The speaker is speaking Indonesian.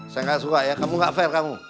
saya nggak suka ya kamu nggak fair kamu